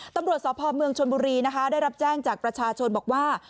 ตำรวจสพเมืองชนบุรีนะคะได้รับแจ้งจากประชาชนบอกว่า